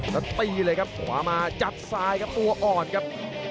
แล้วตีเลยครับขวามาจับซ้ายครับตัวอ่อนครับ